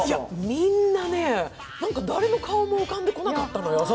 みんなね、誰の顔も浮かんでこなかったのよ。